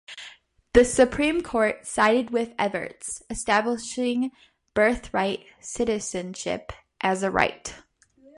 The Supreme Court sided with Evarts, establishing birthright citizenship as a right.